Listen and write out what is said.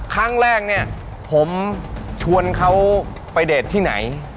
ครั้งแรกเนี่ยผมชวนเขาไปเดทที่ไหน